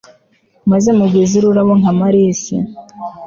maze mugwize ururabo nk'amalisi